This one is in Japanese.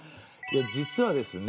実はですね